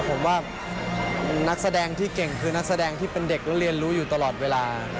ผมว่านักแสดงที่เก่งคือนักแสดงที่เป็นเด็กและเรียนรู้อยู่ตลอดเวลา